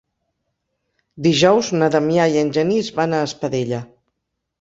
Dijous na Damià i en Genís van a Espadella.